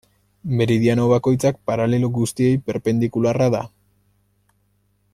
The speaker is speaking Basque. Meridiano bakoitzak paralelo guztiei perpendikularra da.